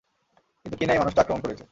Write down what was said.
কিন্তু কিনাই, মানুষটা আক্রমণ করেছে।